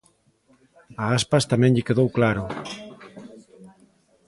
A Aspas tamén lle quedou claro.